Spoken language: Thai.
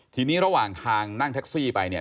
ทีนี้ระหว่างทางนั่งแท็กซี่ไปเนี่ย